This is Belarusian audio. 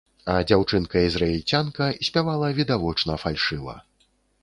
А дзяўчынка-ізраільцянка спявала відавочна фальшыва.